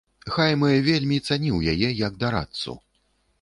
Хаймэ вельмі цаніў яе як дарадцу.